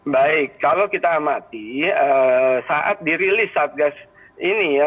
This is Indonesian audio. baik kalau kita amati saat dirilis satgas ini ya